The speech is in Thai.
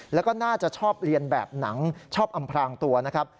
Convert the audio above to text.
แล้วก็น่าจะชอบเรียนแบบหนังชอบอำพรางตัวนะครับ